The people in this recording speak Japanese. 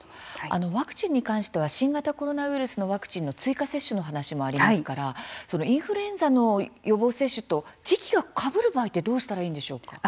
ワクチンに関しては新型コロナウイルスのワクチンの追加接種の話もありますからそのインフルエンザの予防接種と時期がかぶる場合ってどうしたらいいんでしょう。